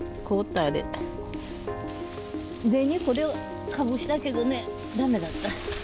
上にこれをかぶしたけどね、だめだった。